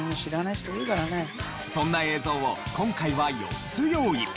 そんな映像を今回は４つ用意。